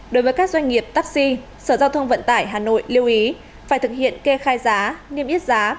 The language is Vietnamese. đối với các doanh nghiệp taxi sở giao thông vận tải hà nội lưu ý phải thực hiện kê khai giá niêm yết giá